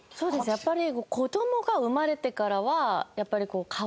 やっぱり。